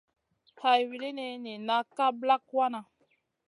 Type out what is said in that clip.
Hay wulini nina ka ɓlak wanaʼ.